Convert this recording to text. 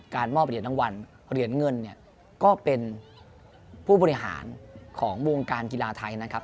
มอบเหรียญรางวัลเหรียญเงินเนี่ยก็เป็นผู้บริหารของวงการกีฬาไทยนะครับ